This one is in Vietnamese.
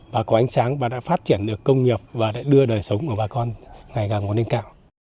bà con ánh sáng bà đã phát triển được công nhập và đã đưa đời sống của bà con ngày càng có nhanh càng